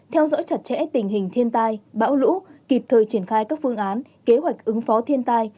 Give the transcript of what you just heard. theo dõi chặt chẽ tình hình thiên tai bão lũ kịp thời triển khai các phương án kế hoạch ứng phó thiên tai